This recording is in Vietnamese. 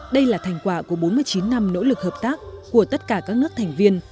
đây là thành quả của bốn mươi chín năm nỗ lực hợp tác của tất cả các nước thành viên